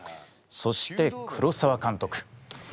そして黒澤監督。